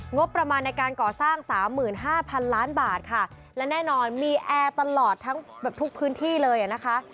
งบประมาณในการก่อสร้าง๓๕๐๐๐ล้านบาทค่ะและแน่นอนมีแอร์ตลอดทั้งแบบทุกพื้นที่เลยนะคะ